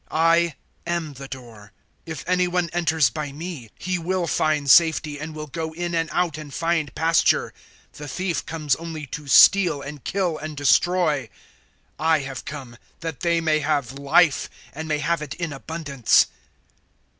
010:009 I am the Door. If any one enters by me, he will find safety, and will go in and out and find pasture. 010:010 The thief comes only to steal and kill and destroy: I have come that they may have Life, and may have it in abundance.